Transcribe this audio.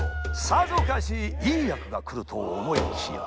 さぞかしいい役がくると思いきや。